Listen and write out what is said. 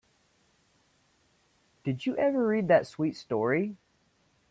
Did you ever read that sweet story?